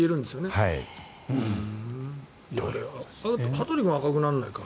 羽鳥君は赤くならないか。